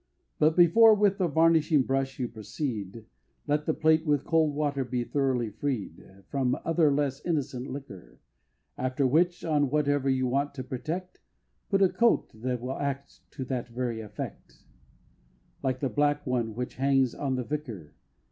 But before with the varnishing brush you proceed, Let the plate with cold water be thoroughly freed From the other less innocent liquor After which, on whatever you want to protect, Put a coat that will act to that very effect, Like the black one which hangs on the Vicar.